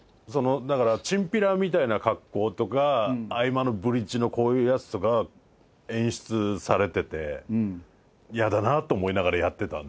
チンピラみたいな格好とか合間のブリッジのこういうやつとか演出されててやだなぁと思いながらやってたんで。